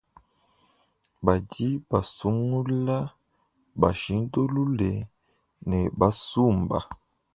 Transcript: Badi basungula, bashintulule ne basumba.